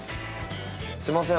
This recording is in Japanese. すいません。